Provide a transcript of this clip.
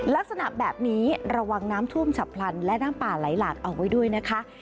ลักษณะแบบนี้ระวังน้ำท่วมฉับพลันและน้ำป่าไหลหลากเอาไว้ด้วยนะคะ